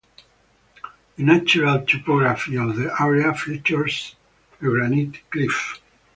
The natural topography of the area features a granite cliff.